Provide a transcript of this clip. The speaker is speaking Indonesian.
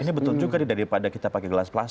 ini betul juga nih daripada kita pakai gelas plastik